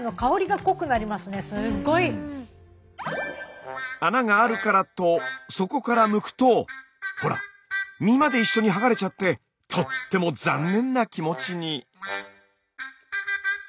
すごい。穴があるからとそこからむくとほら実まで一緒に剥がれちゃってとっても残念な気持ちに。